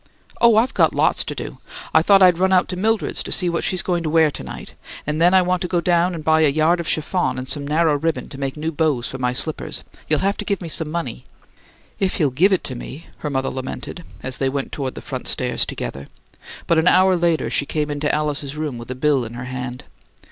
"Oh, I've got lots to do. I thought I'd run out to Mildred's to see what she's going to wear to night, and then I want to go down and buy a yard of chiffon and some narrow ribbon to make new bows for my slippers you'll have to give me some money " "If he'll give it to me!" her mother lamented, as they went toward the front stairs together; but an hour later she came into Alice's room with a bill in her hand.